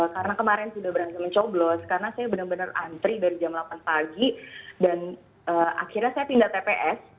karena kemarin sudah berangkat mencoblos karena saya benar benar antri dari jam delapan pagi dan akhirnya saya pindah tps